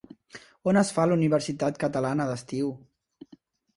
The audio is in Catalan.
On es fa la Universitat Catalana d'Estiu?